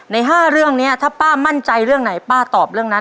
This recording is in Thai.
๕เรื่องนี้ถ้าป้ามั่นใจเรื่องไหนป้าตอบเรื่องนั้น